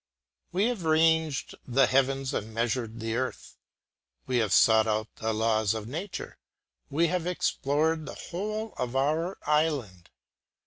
We have ranged the heavens and measured the earth; we have sought out the laws of nature; we have explored the whole of our island.